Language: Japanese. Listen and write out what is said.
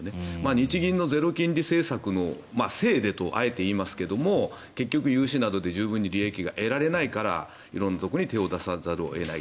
日銀のゼロ金利政策のせいでとあえて言いますけども結局、融資などで十分に利益が得られないから色んなところに手を出さざるを得ない。